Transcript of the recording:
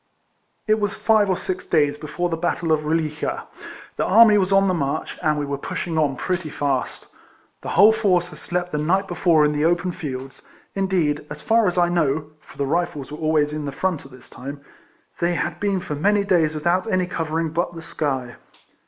It was five or six days before the battle of Eoli9a, the army was on the march, and we were pushing on pretty fast. The whole force had slept the night before in the open fields; indeed, as far as I know, (for the Rifles were always in the front at this time,) they had been for many days without any covering but the sky.